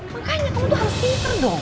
makanya kamu udah harus pinter dong